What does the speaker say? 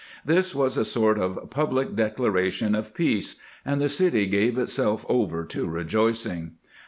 This was a sort of public declaration of peace, and the city gave itself over to rejoicing.